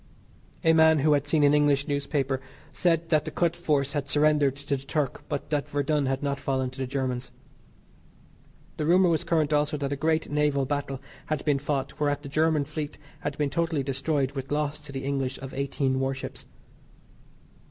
A man who had seen an English newspaper said that the Kut force had surrendered to the Turk, but that Verdun had not fallen to the Germans. The rumour was current also that a great naval battle had been fought whereat the German fleet had been totally destroyed with loss to the English of eighteen warships.